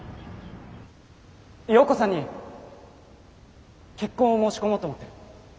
曜子さんに結婚を申し込もうと思ってる。